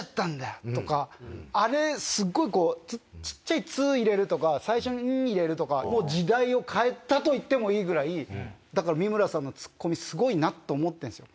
あれすごい小っちゃい「つ」入れるとか最初に「ん」入れるとか。と言ってもいいぐらい三村さんのツッコミすごいなと思ってるんですよ。